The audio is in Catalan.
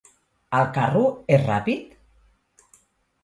El carro és ràpid?